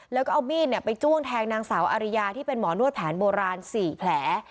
แล้วก็เอามีดไปจ้วงแทงนางสาวอาริยาที่เป็นหมอนวดแผนโบราณ๔แผล